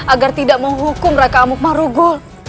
agar tidak menghukum raka amuk marugul